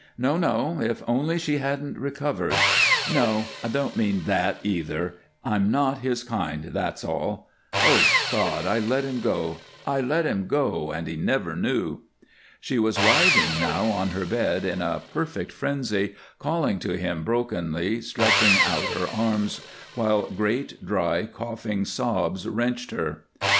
No, no! If only she hadn't recovered No, I don't mean that, either. I'm not his kind, that's all. Ah, God! I let him go I let him go, and he never knew!" She was writhing now on her bed in a perfect frenzy, calling to him brokenly, stretching out her arms while great, dry, coughing sobs wrenched her.